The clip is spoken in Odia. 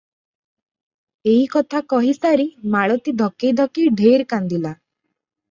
ଏଇ କଥା କହି ସାରି ମାଳତୀ ଧକେଇ ଧକେଇ ଢେର କାନ୍ଦିଲା ।